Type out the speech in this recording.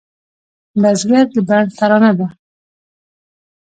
بزګر د بڼ ترانه ده